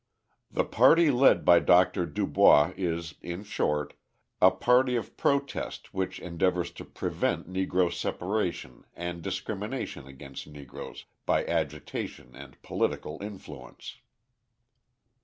The party led by Dr. Du Bois is, in short, a party of protest which endeavours to prevent Negro separation and discrimination against Negroes by agitation and political influence.